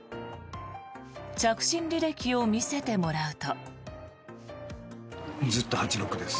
着信履歴を見せてもらうと。